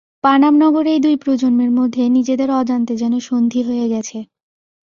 পানাম নগরেই দুই প্রজন্মের মধ্যে নিজেদের অজান্তে যেন সন্ধি হয়ে গেছে।